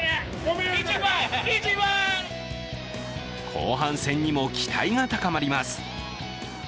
後半戦にも期待が高まります。